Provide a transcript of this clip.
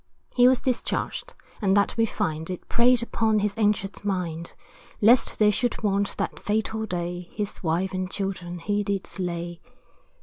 He was discharged, and that we find, It preyed upon his anxious mind, Lest they should want, that fatal day, His wife and children he did slay.